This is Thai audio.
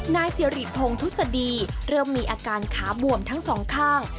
นายจิริพงศดีเริ่มมีอาการขาบวมทั้งสองข้าง